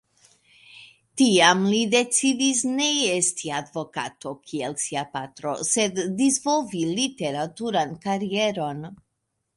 Tiam, li decidis ne esti advokato, kiel sia patro, sed disvolvi literaturan karieron.